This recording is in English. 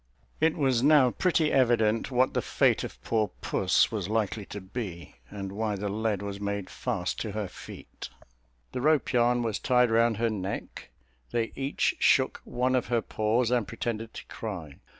It was now pretty evident what the fate of poor puss was likely to be, and why the lead was made fast to her feet. The rope yarn was tied round her neck; they each shook one of her paws, and pretended to cry.